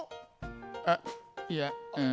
あっいやうん。